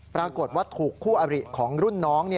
ปรากฏว่าถูกคู่อบริของรุ่นน้อง